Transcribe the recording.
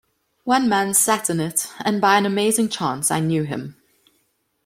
One man sat in it, and by an amazing chance I knew him.